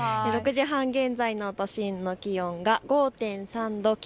６時半現在の都心の気温が５．３度。